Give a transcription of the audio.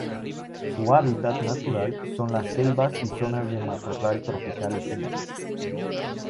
Su hábitat natural son las selvas y zonas de matorral tropicales húmedas.